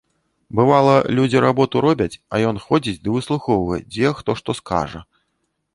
Бывала, людзі работу робяць, а ён ходзіць ды выслухоўвае, дзе хто што скажа.